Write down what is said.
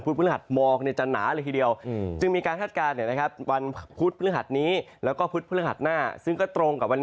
จะมาอีกแล้วใช่ไหมครับคุณ